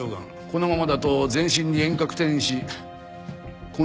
このままだと全身に遠隔転移し根治は難しい。